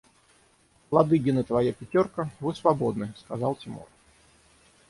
– Ладыгин и твоя пятерка, вы свободны, – сказал Тимур.